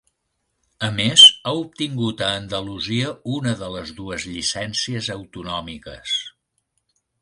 A més ha obtingut a Andalusia una de les dues llicències autonòmiques.